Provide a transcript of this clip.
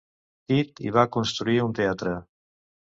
Tit hi va construir un teatre.